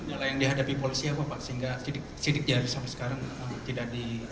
kendala yang dihadapi polisi apa pak sehingga sidiknya sampai sekarang tidak di